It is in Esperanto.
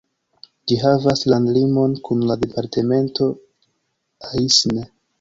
Ĝi havas landlimon kun la departemento Aisne.